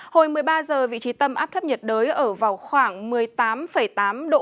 hồi một mươi ba h vị trí tâm áp thấp nhiệt đới ở vào khoảng một mươi tám tám độ